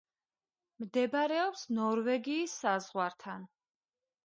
მდებარეობს ნორვეგიის საზღვართან.